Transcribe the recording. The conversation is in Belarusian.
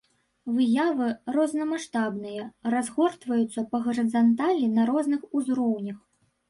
Выявы рознамаштабныя, разгортваюцца па гарызанталі на розных узроўнях.